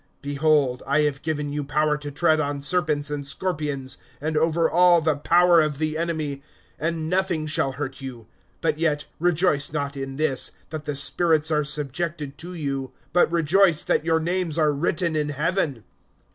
(19)Behold, I have given you power to tread on serpents and scorpions, and over all the power of the enemy; and nothing shall hurt you. (20)But yet, rejoice not in this, that the spirits are subjected to you; but rejoice, that your names are written in heaven.